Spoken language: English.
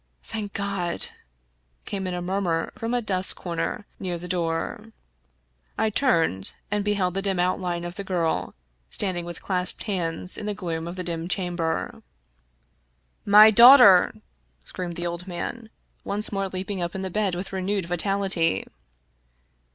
" Thank God !" came in a murmur from a dusk comer near the door. I turned, and beheld the dim outline of the girl, standing with clasped hands in the gloom of the dim chamber. " My daughter !" screamed the old man, once more leap ing up in the bed with renewed vitality.